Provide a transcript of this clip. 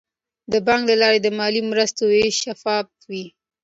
د بانک له لارې د مالي مرستو ویش شفاف وي.